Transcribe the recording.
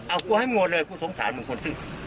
เอ้ากูให้งวลเลยสงสารมึงคนซื้อ